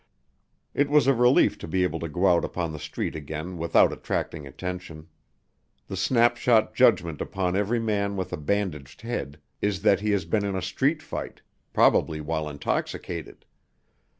It was a relief to be able to go out upon the street again without attracting attention. The snapshot judgment upon every man with a bandaged head is that he has been in a street fight probably while intoxicated.